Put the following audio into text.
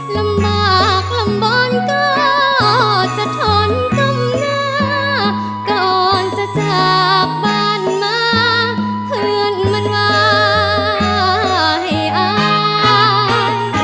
ลำบากลำบอนก็จะทนก้มหน้าก่อนจะจากบ้านมาเพื่อนมันว่าให้อาย